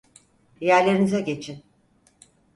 Yerlerinize geçin!